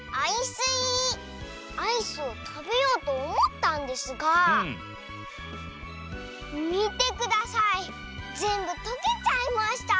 スイアイスをたべようとおもったんですがみてくださいぜんぶとけちゃいました。